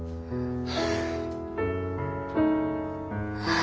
あ。